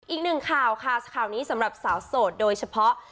อีกหนึ่งข่าวค่ะข่าวนี้สำหรับสาวโสดโดยเฉพาะ